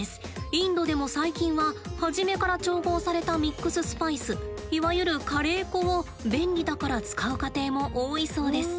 インドでも最近は初めから調合されたミックススパイスいわゆるカレー粉を便利だから使う家庭も多いそうです。